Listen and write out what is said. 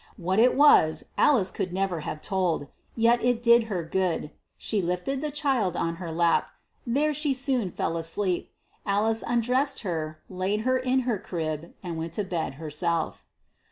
What it was Alice could never have told yet it did her good. She lifted the child on her lap. There she soon fell asleep. Alice undressed her, laid her in her crib, and went to bed herself.